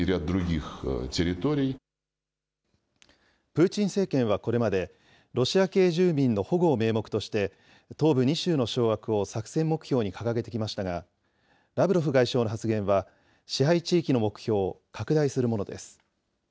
プーチン政権はこれまで、ロシア系住民の保護を名目として、東部２州の掌握を作戦目標に掲げてきましたが、ラブロフ外相の発言は、支配地域の目標を拡大するものです。